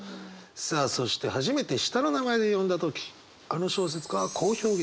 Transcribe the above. さあそして初めて下の名前で呼んだ時あの小説家はこう表現しました。